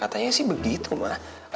katanya sih begitu ma